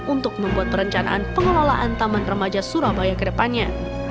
untuk membuat perencanaan pengelolaan taman remaja surabaya ke depannya